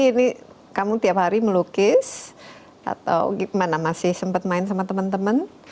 jadi ini kamu tiap hari melukis atau gimana masih sempat main sama temen temen